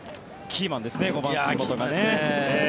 キーマンですね。